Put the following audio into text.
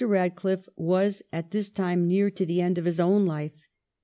Eadcliffe was at this time near to the end of his own life.